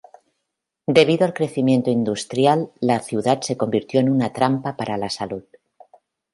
Debido al crecimiento industrial la ciudad se convirtió en una trampa para la salud.